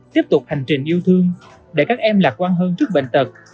tiếp tục hành trình yêu thương để các em lạc quan hơn trước bệnh tật